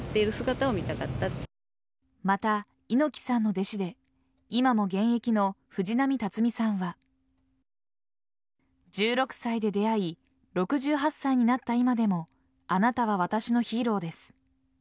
また、猪木さんの弟子で今も現役の藤波辰爾さんは１６歳で出会い６８歳になった今でもあなたは私のヒーローです。